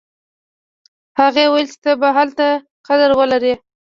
هغې ویل چې ته به هلته قدر ولرې